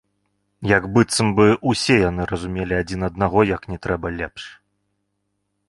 Як быццам бы ўсе яны разумелі адзін аднаго як не трэба лепш.